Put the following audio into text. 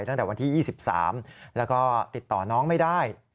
ตั้งแต่วันที่๒๓แล้วก็ติดต่อน้องไม่ได้